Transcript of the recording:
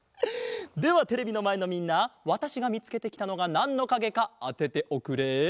ではテレビのまえのみんなわたしがみつけてきたのがなんのかげかあてておくれ。